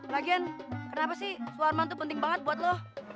lagian kenapa sih lu warman tuh penting banget buat lo